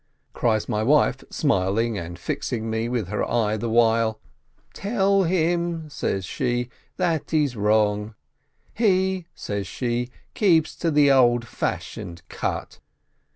Cries my wife, smiling and fixing me with her eye the while, "Tell him," says she, "that he's wrong! He," says she, "keeps to the old fashioned cut."